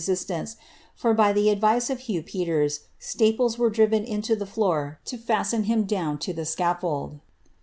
sistance, for by the advice of Hugh Peters, staples were drmn tuto tiie lloor to fasten him down to the scaffold.